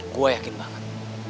gue yakin banget